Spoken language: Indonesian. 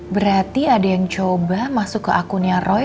berarti ada yang coba masuk ke akunnya roy